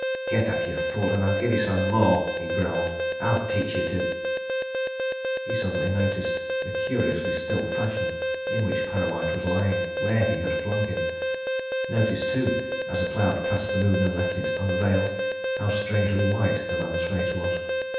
"Get up, you fool, and I'll give you some more!" he growled. "I'll teach you to " He suddenly noticed the curiously still fashion in which Parrawhite was lying where he had flung him noticed, too, as a cloud passed the moon and left it unveiled, how strangely white the man's face was.